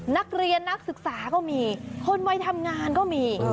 นักเรียนนักศึกษาก็มีคนไว้ทำงานก็มี